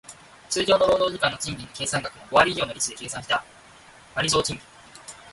通常の労働時間の賃金の計算額の五割以上の率で計算した割増賃金